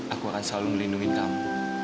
aku akan selalu melindungi kamu